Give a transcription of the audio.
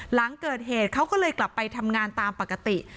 หลังเกิดเหตุเขาก็เลยกลับไปทำงานตามปกติ